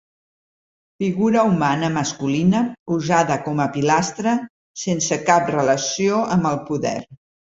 Figura humana masculina usada com a pilastra, sense cap relació amb el poder.